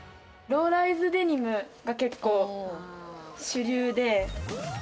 ローライズデニムが結構主流で。